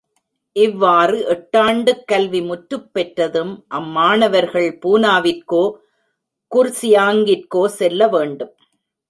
இவ்வாறு எட்டாண்டுக் கல்வி முற்றுப் பெற்றதும், அம்மாணவர்கள் பூனாவிற்கோ, குர்சியாங்கிற்கோ செல்ல வேண்டும்.